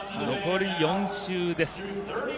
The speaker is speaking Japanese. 残り４周です。